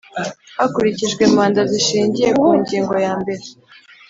Hakurikijwe manda zishingiye ku ngingo yambere